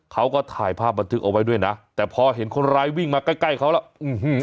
เขาก็ถ่ายภาพบันทึกเอาไว้ด้วยนะแต่พอเห็นคนร้ายวิ่งมาใกล้ใกล้เขาแล้วอื้อหือ